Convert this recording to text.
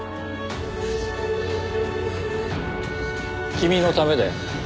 君のためだよ。